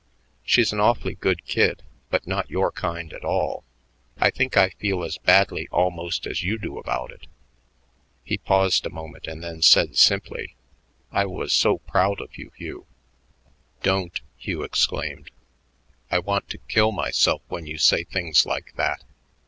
She's an awfully good kid but not your kind at all; I think I feel as badly almost as you do about it." He paused a moment and then said simply, "I was so proud of you, Hugh." "Don't!" Hugh exclaimed. "I want to kill myself when you say things like that."